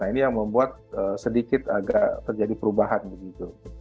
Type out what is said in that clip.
nah ini yang membuat sedikit agak terjadi perubahan begitu